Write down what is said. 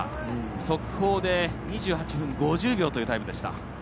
速報で２８分５０秒というタイムでした。